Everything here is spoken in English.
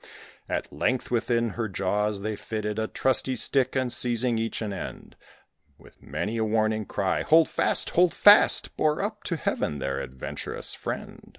At length within her jaws they fitted A trusty stick, and seizing each an end, With many a warning cry "Hold fast! hold fast!" Bore up to heaven their adventurous friend.